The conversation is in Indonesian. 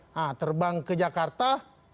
nah terbang ke jakarta